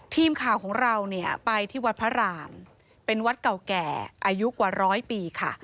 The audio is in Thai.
ทีมข่าวของเราเนี่ยไปที่วัดพระรามเป็นวัดเก่าแก่อายุกว่าร้อยปีค่ะ